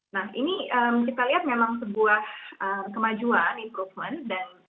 nah ini kita lihat memang sebuah kemajuan improvement